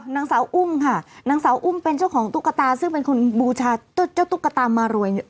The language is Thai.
นางสาวอุ้มค่ะนางสาวอุ้มเป็นเจ้าของตุ๊กตาซึ่งเป็นคนบูชาเจ้าตุ๊กตามารวยเนี่ย